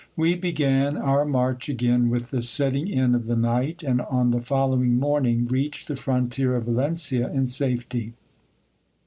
We began our march again with the setting in of the night ; and on the following morning reached the frontier of Valencia in safety.